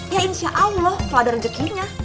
ya insya allah flada rezekinya